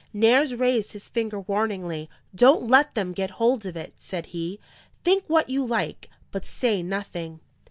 Nares raised his finger warningly. "Don't let THEM get hold of it," said he. "Think what you like, but say nothing."